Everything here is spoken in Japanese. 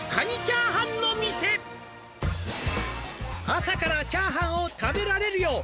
「朝からチャーハンを食べられるよう」